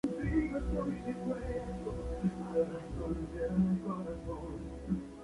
Administrativamente, el municipio es denominado como la "segunda sección municipal" de la provincia.